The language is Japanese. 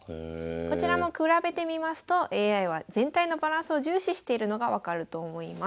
こちらも比べてみますとＡＩは全体のバランスを重視しているのが分かると思います。